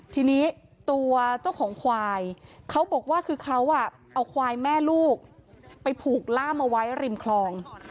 ทีนี้ตัวเจ้าของควายเขาบอกว่าคือเขาเอาควายแม่ลูกไปผูกล่ามเอาไว้ริมคลอง